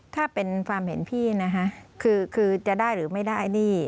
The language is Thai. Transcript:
ถ้าเป็นความเห็นพี่นะคะคือจะได้หรือไม่ได้นี่